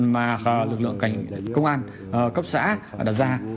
mà lực lượng cảnh công an cấp xã đặt ra